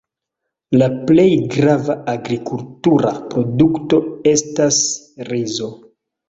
La plej grava agrikultura produkto estas rizo.